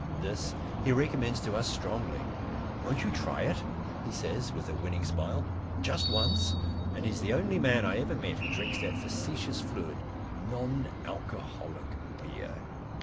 This he recommends to us strongly. "Won't you try it?" he says, with a winning smile. "Just once." And he is the only man I ever met who drinks that facetious fluid, non alcoholic beer.